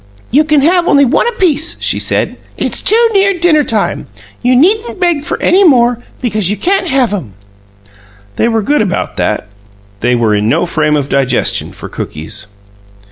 "You can have only one apiece," she said. "It's too near dinner time. You needn't beg for any more, because you can't have 'em." They were good about that; they were in no frame of digestion for cookies.